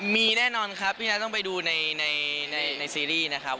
มีแน่นอนครับพี่น้าต้องไปดูในซีรีส์นะครับ